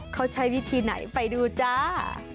เขาใช้วิธีไหนไปดูจ้า